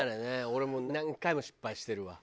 俺も何回も失敗してるわ。